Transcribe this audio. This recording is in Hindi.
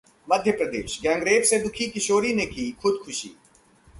मध्य प्रदेशः गैंग रेप से दुखी किशोरी ने की खुदकुशी